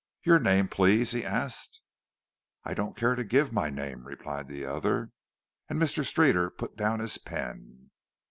"Your name, please?" he asked. "I don't care to give my name," replied the other. And Mr. Streeter put down his pen.